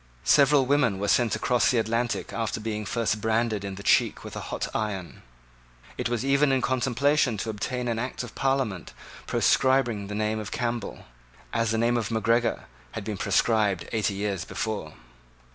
Several women were sent across the Atlantic after being first branded in the cheek with a hot iron. It was even in contemplation to obtain an act of Parliament proscribing the name of Campbell, as the name of Macgregor had been proscribed eighty years before.